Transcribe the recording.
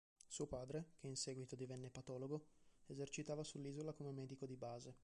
Suo padre, che in seguito divenne patologo, esercitava sull'isola come medico di base.